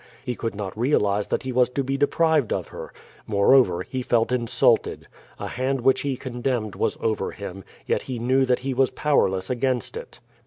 He could not realize that he was to be deprived of her. Moreover, he felt insulted. A hand which he contemned was over him, yet he knew that he was powerless against it.